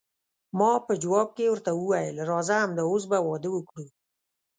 ما په جواب کې ورته وویل، راځه همد اوس به واده وکړو.